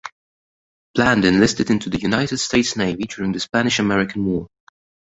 Bland enlisted into the United States Navy during the Spanish–American War.